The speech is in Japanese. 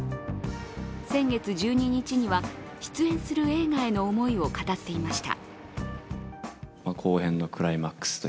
先月１２日には出演する映画への思いを語っていました。